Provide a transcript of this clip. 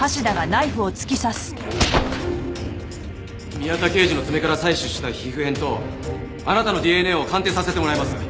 宮田刑事の爪から採取した皮膚片とあなたのＤＮＡを鑑定させてもらいます。